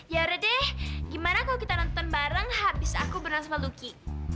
ya udah deh gimana kalau kita nonton bareng habis aku berenang sama lucky